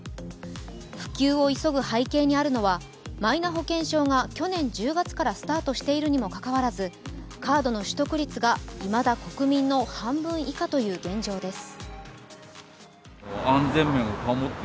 普及を急ぐ背景にあるのはマイナ保険証が去年１０月からスタートしているにもかかわらずカードの取得率がいまだ国民の半分以下という現状です。